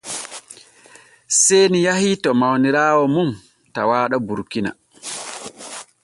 Seeni yahii to mawniraawo mum tawaaɗo Burkina.